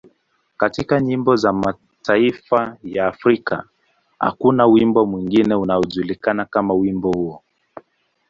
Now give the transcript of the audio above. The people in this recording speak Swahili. Katika nyimbo za mataifa ya Afrika, hakuna wimbo mwingine unaojulikana kama wimbo huo.